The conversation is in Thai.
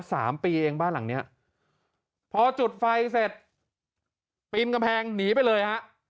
สามปีเองบ้านหลังเนี้ยพอจุดไฟเสร็จปีนกำแพงหนีไปเลยฮะ